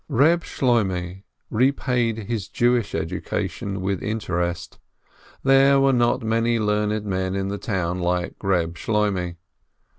Reb Shloimeh repaid his Jewish education with inter est. There were not many learned men in the town 324 PINSKI like Reb Shloimeh.